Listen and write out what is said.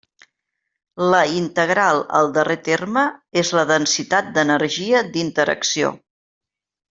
La integral al darrer terme és la densitat d'energia d'interacció.